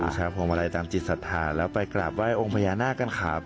ดูแชร์ผมวัลัยจากจิตสัตว์ธานแล้วไปกราบไหว้องภญานาคกันครับ